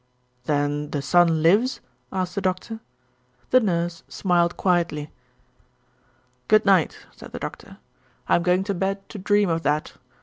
"Then the son lives?" asked the Doctor. The Nurse smiled quietly. "Good night," said the Doctor. "I am going to bed to dream of that.